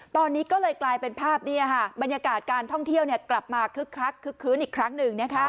ตอนนี้ก็เลยกลายเป็นภาพบรรยากาศการท่องเที่ยวกลับมาคึกคักคึกคื้นอีกครั้งหนึ่ง